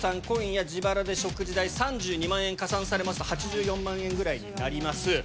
今夜自腹で食事代３２万円加算されますと８４万円ぐらいになります。